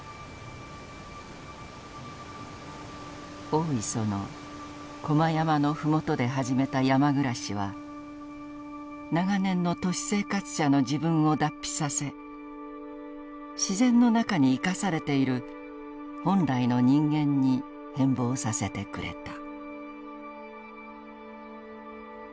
「大磯の高麗山の麓で始めた山暮らしは長年の都市生活者の自分を脱皮させ自然の中に生かされている本来の人間に変貌させてくれた」。